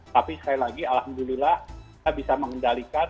tapi sekali lagi alhamdulillah kita bisa mengendalikan